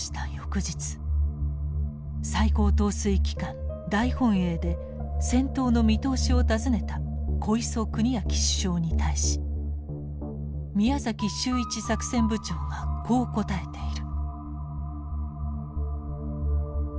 最高統帥機関大本営で戦闘の見通しを尋ねた小磯国昭首相に対し宮崎周一作戦部長がこう答えている。